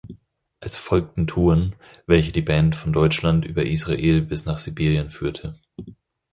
Es folgten Touren, welche die Band von Deutschland über Israel bis nach Sibirien führte.